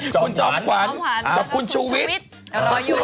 คุณจอบขวานคุณชูวิตแต่รออยู่